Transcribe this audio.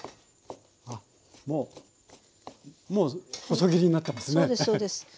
もうもう細切りになってますね。